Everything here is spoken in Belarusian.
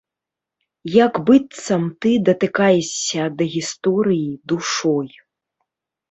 Як быццам ты датыкаешся да гісторыі душой.